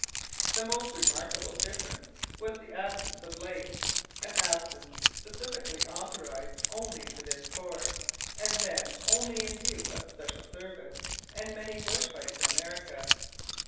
The most remarkable difference was the absence of lace, an absence specially authorized only for this corps, and then only in view of special service and many bush fights in America.